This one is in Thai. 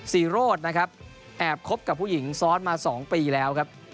สีโรธแอบคบกับผู้หญิงซ้อนมา๒ปีแล้ว